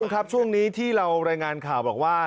ครับช่วงนี้ที่เรารายงานข่าวบอกว่า